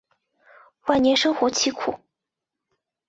晚年生活凄苦。